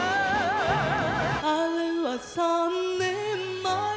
「あれは三年前」